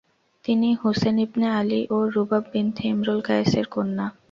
তিনি Hussain ibn Ali এবং Rubab bint Imrul Qais এর কন্যা।